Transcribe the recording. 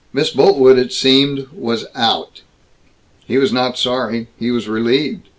Miss Boltwood, it seemed, was out. He was not sorry. He was relieved.